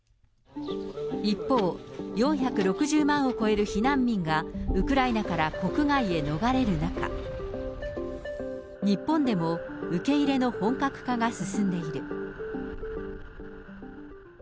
一方、４６０万を超える避難民が、ウクライナから国外へ逃れる中、日本でも受け入れの本格化が進んでいる。